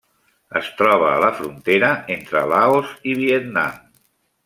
Es troba a la frontera entre Laos i Vietnam.